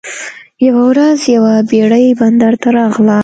یوه ورځ یوه بیړۍ بندر ته راغله.